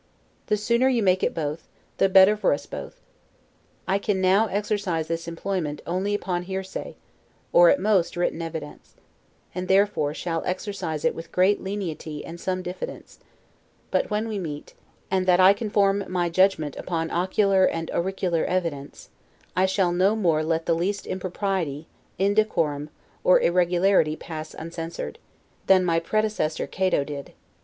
The sooner you make it both, the better for us both. I can now exercise this employment only upon hearsay, or, at most, written evidence; and therefore shall exercise it with great lenity and some diffidence; but when we meet, and that I can form my judgment upon ocular and auricular evidence, I shall no more let the least impropriety, indecorum, or irregularity pass uncensured, than my predecessor Cato did.